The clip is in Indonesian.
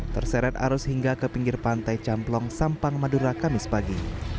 terseret arus hingga ke pinggir pantai camplong sampang madura kamis pagi